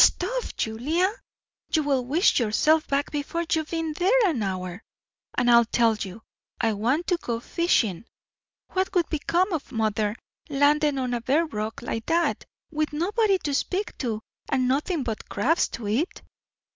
"Stuff, Julia! You will wish yourself back before you've been there an hour; and I tell you, I want to go fishing. What would become of mother, landed on a bare rock like that, with nobody to speak to, and nothing but crabs to eat?"